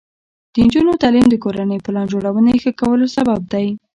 د نجونو تعلیم د کورنۍ پلان جوړونې ښه کولو سبب دی.